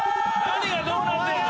何がどうなってんの？